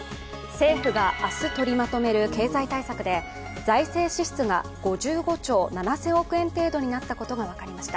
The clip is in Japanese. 政府が明日取りまとめる経済対策で財政支出が５５兆７０００億円程度になったことが分かりました。